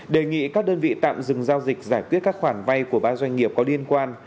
đề nghị các đơn vị tạm dừng giao dịch giải quyết các khoản vay của ba doanh nghiệp có liên quan